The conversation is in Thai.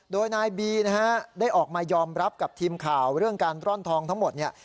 โดยนายบีนะฮะได้ออกมายอมรับกับทีมข่าวเรื่องการร่อนทองทั้งหมดเนี่ย